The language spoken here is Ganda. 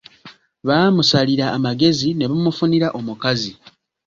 Baamusalira amagezi ne bamufunira omukazi